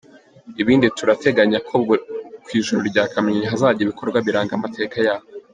Ibindi turateganya ko kuri Ijuru rya Kamonyi, hazajya ibikorwa biranga amateka yaho.